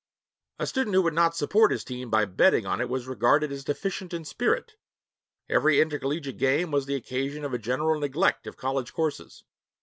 A student who would not support his team by betting on it was regarded as deficient in spirit. Every intercollegiate game was the occasion of general neglect of college courses.